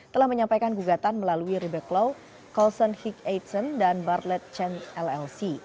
telah menyampaikan gugatan melalui ribek law colson hick eidson dan bartlett chen llc